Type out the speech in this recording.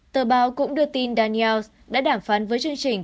tờ báo cũng đưa tin daniels đã đàm phán với chương trình